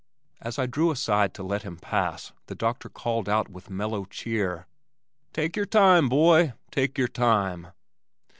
As I drew aside to let him pass the doctor called out with mellow cheer, "Take your time, boy, take your time!"